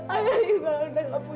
mama juga sama kuei